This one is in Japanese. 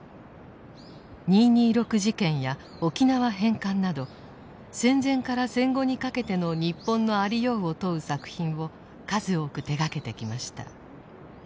二・二六事件や沖縄返還など戦前から戦後にかけての日本のありようを問う作品を数多く手がけてきました。